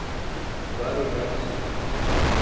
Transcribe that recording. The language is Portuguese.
Guarujá do Sul